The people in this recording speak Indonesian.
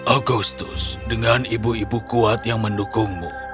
agustus dengan ibu ibu kuat yang mendukungmu